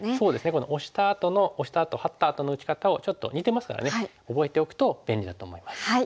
このオシたあとのオシたあとハッたあとの打ち方をちょっと似てますからね覚えておくと便利だと思います。